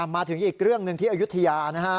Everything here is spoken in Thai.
มาถึงอีกเรื่องหนึ่งที่อายุทยานะฮะ